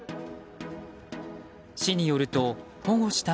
市によると保護した